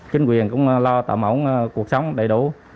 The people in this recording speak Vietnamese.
chính quyền cũng lo tạm ổn cuộc sống đầy đủ